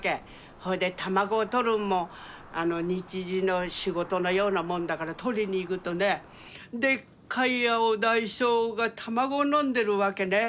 ほいで卵をとるんもにちじの仕事のようなもんだからとりにいくとねでっかいアオダイショウが卵のんでるわけね。